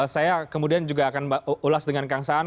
saya kemudian juga akan ulas dengan kang saan